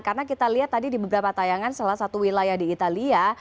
karena kita lihat tadi di beberapa tayangan salah satu wilayah di italia